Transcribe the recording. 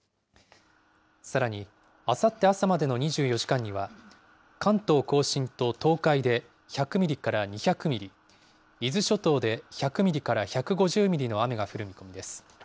さらに、あさって朝までの２４時間には、関東甲信と東海で１００ミリから２００ミリ、伊豆諸島で１００ミリから１５０ミリの雨が降る見込みです。